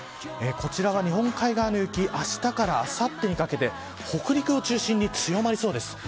こちらは日本海側の雪あしたからあさってにかけて北陸を中心に強まりそうです。